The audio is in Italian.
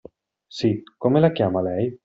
Sí, come la chiama, lei?